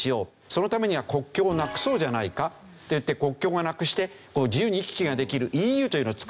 そのためには国境をなくそうじゃないかといって国境をなくして自由に行き来ができるＥＵというのを作ったわけでしょ。